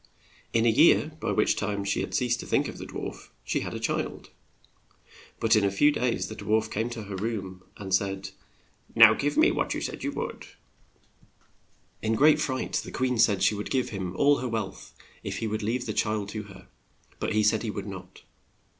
In a year, by which time she had ceased to think of the dwarf, she had a child. But in a few days the dwarf came to her room, and said, "Now give me what you said you would." 118 RUMPELSTILTSKIN In great fright the queen said she would give him all her wealth if he would leave the child to her, but he said he would not.